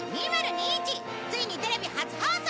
ついにテレビ初放送！